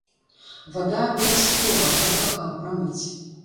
Вада абавязкова, каб бакал прамыць.